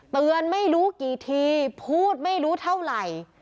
เตือนไม่รู้กี่ทีพูดไม่รู้เท่าไร